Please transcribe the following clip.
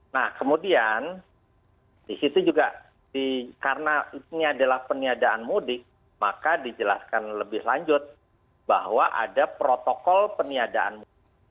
nah kemudian disitu juga karena ini adalah peniadaan mudik maka dijelaskan lebih lanjut bahwa ada protokol peniadaan mudik